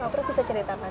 prof bisa ceritakan